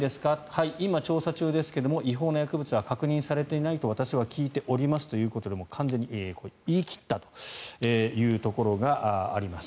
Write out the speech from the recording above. はい、今、調査中ですけども違法な薬物は確認されていないと私は聞いておりますということで完全に言い切ったというところがあります。